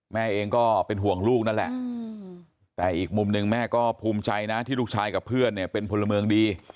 แม่เองก็เป็นห่วงลูกนั่นแหละแต่อีกมุมหนึ่งแม่ก็ภูมิใจนะที่ลูกชายกับเพื่อนเนี่ยเป็นพลเมืองดี